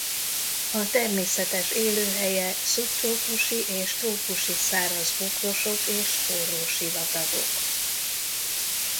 A természetes élőhelye szubtrópusi és trópusi száraz bokrosok és forró sivatagok.